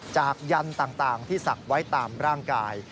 จากยันต่างที่สักไว้ตามร่างกาย